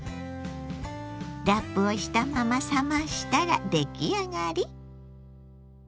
ラップをしたまま冷ましたら出来上がり。